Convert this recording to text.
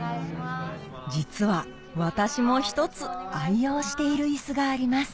実は私も一つ愛用しているイスがあります